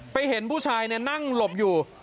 ไปเห็นผู้ชายเนี่ยนั่งหลบอยู่